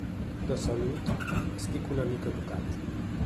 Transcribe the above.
De salut estic una mica tocat.